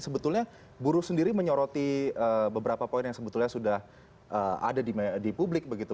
sebetulnya buruh sendiri menyoroti beberapa poin yang sebetulnya sudah ada di publik begitu